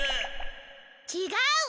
ちがうわ。